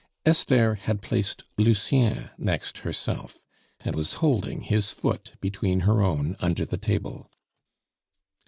Esther had placed Lucien next herself, and was holding his foot between her own under the table.